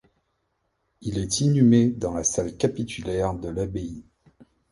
Il est inhumé dans la salle capitulaire de l'abbaye.